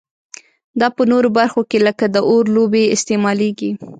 دا په نورو برخو کې لکه د اور لوبې استعمالیږي.